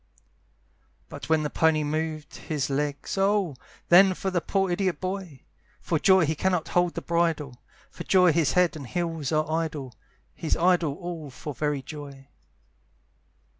But when the pony moved his legs, Oh! then for the poor idiot boy! For joy he cannot hold the bridle, For joy his head and heels are idle, He's idle all for very joy.